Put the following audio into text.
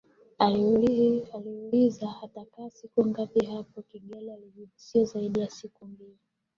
Aliulizwa atakaa siku ngapi hapo Kigali alijibu sio zaidi ya siku mbili